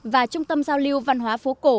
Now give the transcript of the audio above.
và trung tâm giao lưu văn hóa phố cổ